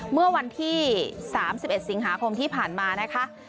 เมื่อวันที่๓๑สิงหาคมที่ผ่านมานะคะ